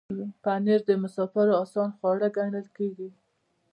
پنېر د مسافرو آسان خواړه ګڼل کېږي.